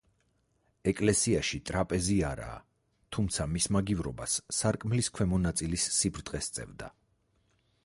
ეკლესიაში ტრაპეზი არაა, თუმცა მის მაგივრობას სარკმლის ქვემო ნაწილის სიბრტყე სწევდა.